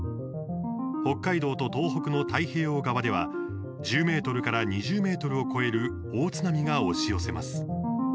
北海道と東北の太平洋側では１０ｍから２０ｍを超える大津波が押し寄せます。